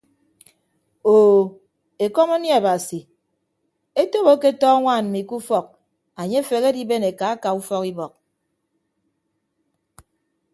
Oo ekọm anie abasi etop aketọ añwaan mmi ke ufọk anye afehe adiben eka aka ufọk ibọk.